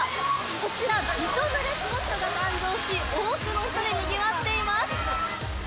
こちら、びしょぬれスポットが誕生し、多くの人でにぎわっています。